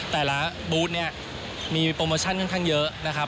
แต่ละบูธเนี่ยมีโปรโมชั่นค่อนข้างเยอะนะครับ